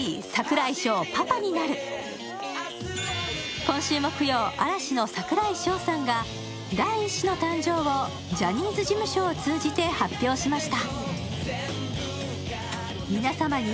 今週木曜、嵐の櫻井翔さんが第１子の誕生をジャニーズ事務所を通じて発表しました。